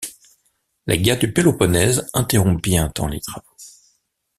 La Guerre du Péloponnèse interrompit un temps les travaux.